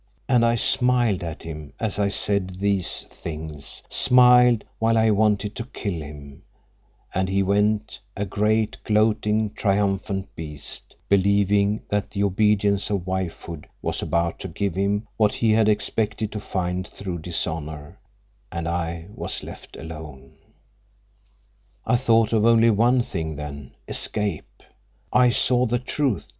And I smiled at him as I said these things, smiled while I wanted to kill him, and he went, a great, gloating, triumphant beast, believing that the obedience of wifehood was about to give him what he had expected to find through dishonor—and I was left alone. "I thought of only one thing then—escape. I saw the truth.